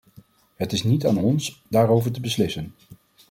Het is niet aan ons om daarover te beslissen.